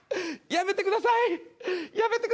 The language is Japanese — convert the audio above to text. やめてください。